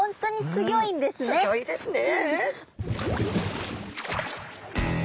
すギョいですね！